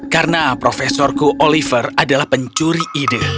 karena profesorku oliver adalah pencuri ide